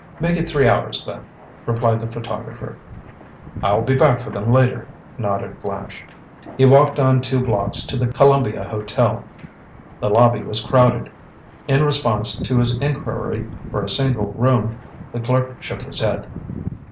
"Make it three hours, then," replied the photographer. "I'll be back for them later," nodded Flash. He walked on two blocks to the Columbia Hotel. The lobby was crowded. In response to his inquiry for a single room, the clerk shook his head.